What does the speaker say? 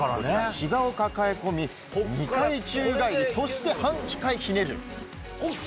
膝を抱え込み２回宙返りそして半回ひねる。